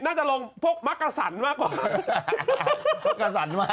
น่าจะลงปุ๊กมะกะสันมากกว่า